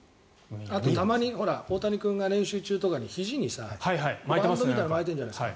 あと、たまに大谷君が練習中にひじにバンドみたいなの巻いているじゃないですか。